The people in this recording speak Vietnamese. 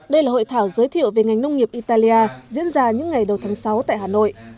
đây là hội thảo giới thiệu về ngành nông nghiệp italia diễn ra những ngày đầu tháng sáu tại hà nội